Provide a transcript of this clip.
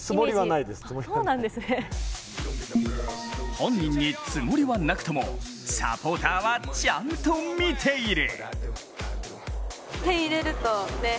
本人に、つもりはなくともサポーターはちゃんと見ている。